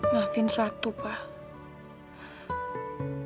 maafin ratu pak